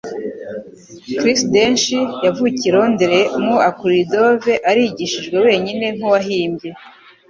Chris Dench yavukiye i Londres mu akurira i Dover; arigishijwe wenyine nkuwahimbye.